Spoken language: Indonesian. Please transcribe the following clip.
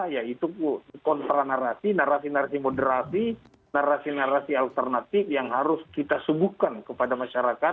yaitu kontra narasi narasi narasi moderasi narasi narasi alternatif yang harus kita subuhkan kepada masyarakat